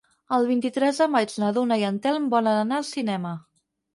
El vint-i-tres de maig na Duna i en Telm volen anar al cinema.